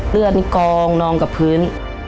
เลือดกองนองกับพื้น